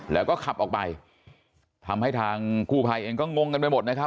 แล้วก็ขับออกไปทำให้ทางกู้ภัยเองก็งงกันไปหมดนะครับ